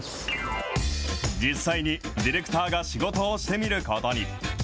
実際にディレクターが仕事をしてみることに。